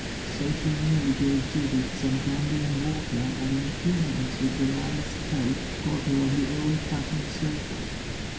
So she merely gave Judith some brandy and water, and in a few minutes, with Delilah's help, got her on the old fashioned sofa.